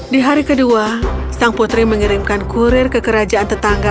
di hari kedua sang putri mengirimkan kurir ke kerajaan tetangga